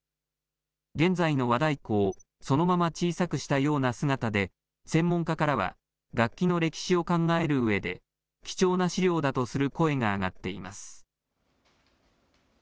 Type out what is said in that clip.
現在の和太鼓をそのまま小さくしたような姿で、専門家からは、楽器の歴史を考えるうえで、貴重な資料だとする声が上がっています。